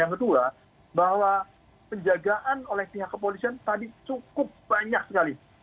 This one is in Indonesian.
yang kedua bahwa penjagaan oleh pihak kepolisian tadi cukup banyak sekali